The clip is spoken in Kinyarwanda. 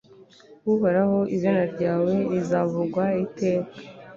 uhoraho, izina ryawe rizavugwa iteka